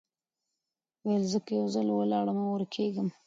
ویل زه که یو ځل ولاړمه ورکېږم